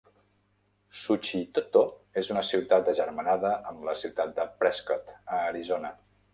Suchitoto és una ciutat agermanada amb la ciutat de Prescott, a Arizona.